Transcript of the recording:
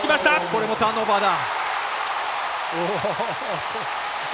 これもターンオーバーだ！